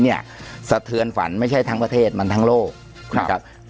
สะเทือนฝันไม่ใช่ทั้งประเทศมันทั้งโลกนะครับ